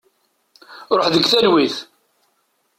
Ruḥ deg talwit.